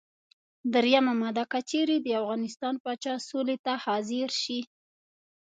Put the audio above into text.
دریمه ماده: که چېرې د افغانستان پاچا سولې ته حاضر شي.